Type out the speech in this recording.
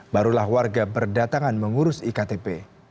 barulah warga berdatangan mengurus iktp